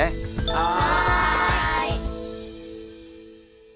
はい！